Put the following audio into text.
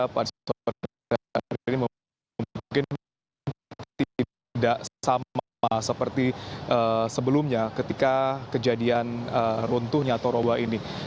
pada saat ini mungkin tidak sama seperti sebelumnya ketika kejadian runtuhnya tower dua ini